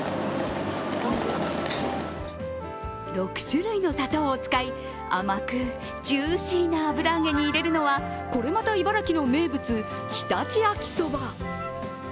６種類の砂糖を使い、甘くジューシーな油揚げに入れるのはこれまた茨城の名物常陸秋そば。